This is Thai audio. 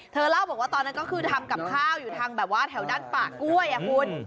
เล่าบอกว่าตอนนั้นก็คือทำกับข้าวอยู่ทางแบบว่าแถวด้านป่ากล้วยอ่ะคุณ